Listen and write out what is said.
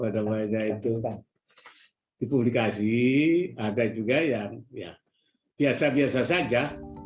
di publikasi ada juga yang biasa biasa saja